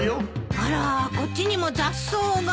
あらこっちにも雑草が。